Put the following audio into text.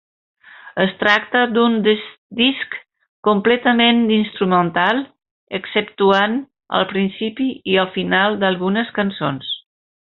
Es tracta d'un disc completament instrumental, exceptuant el principi i el final d'algunes cançons.